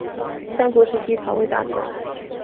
三国时期曹魏大臣。